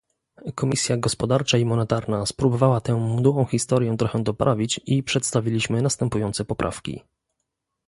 Komisja Gospodarcza i Monetarna spróbowała tę mdłą historię trochę doprawić i przedstawiliśmy następujące poprawki